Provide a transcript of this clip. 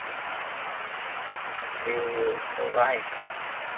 Few will survive.